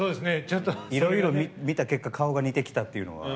いろいろ見た結果顔が似てきたっていうのは。